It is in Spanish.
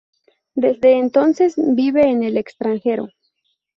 Desde entonces vive en el extranjero.